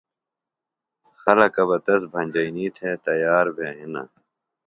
خلکہ بہ تس بھنجئِنی تھےۡ تیار بھِےۡ ہنہ